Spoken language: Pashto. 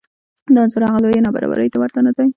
دا انځور هغه لویې نابرابرۍ ته ورته نه دی